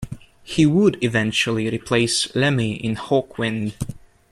He would eventually replace Lemmy in Hawkwind.